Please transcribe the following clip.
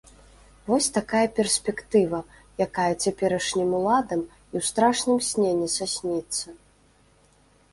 Вось такая перспектыва, якая цяперашнім уладам і ў страшным сне не сасніцца.